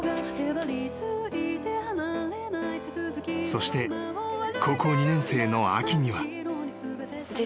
［そして高校２年生の秋には］